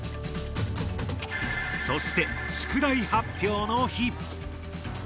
そして宿題発表の日。